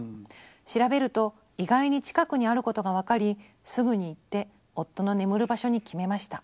調べると意外に近くにあることが分かりすぐに行って夫の眠る場所に決めました。